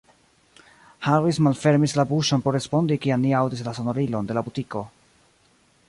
Harris malfermis la buŝon por respondi, kiam ni aŭdis la sonorilon de la butiko.